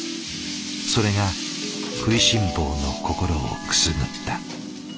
それが食いしん坊の心をくすぐった。